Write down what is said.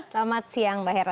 selamat siang mbak hera